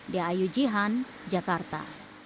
di ayu jihan jakarta